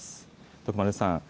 徳丸さん。